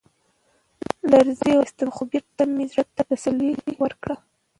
لـړزې واخيسـتم ، خـو بـېرته مـې زړه تـه تـسلا ورکړه.